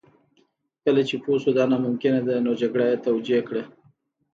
کله چې پوه شو دا ناممکنه ده نو جګړه یې توجیه کړه